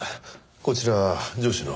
こちら上司の。